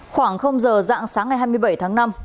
khoảng giờ dạng sáng ngày hai mươi bảy tháng năm